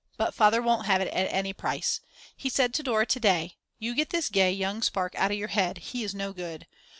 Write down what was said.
But Father won't have it at any price. He said to Dora to day: "You get this gay young spark out of your head; he is no good.